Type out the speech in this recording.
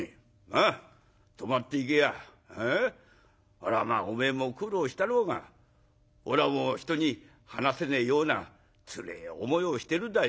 これはまあおめえも苦労したろうがおらも人に話せねえようなつれえ思いをしてるだよ。